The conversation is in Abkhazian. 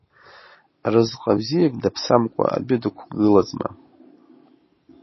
Разҟы бзиак даԥсамкәа адәы дықәгылазма?